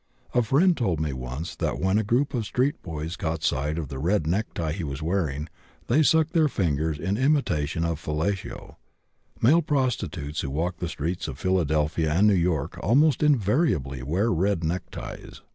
A friend told me once that when a group of street boys caught sight of the red necktie he was wearing they sucked their fingers in imitation of fellatio. Male prostitutes who walk the streets of Philadelphia and New York almost invariably wear red neckties.